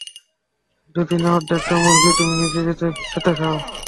যদি না অর্ধেকটা মুরগি তুমি নিজে খেতে চাও।